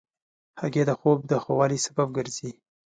هګۍ د خوب د ښه والي سبب ګرځي.